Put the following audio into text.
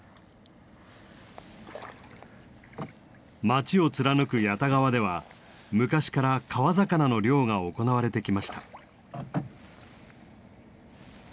町を貫く谷田川では昔から川魚の漁が行われてきました。